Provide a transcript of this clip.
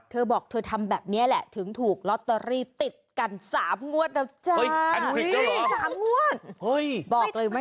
เธอบอกเธอทำแบบเนี่ยแหละถึงถูกล็อตเตอรี่ติดกันสามนวดล่ะจ๊ะ